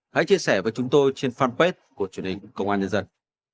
hãy chia sẻ với chúng tôi trên fanpage của truyền hình công an nhân dân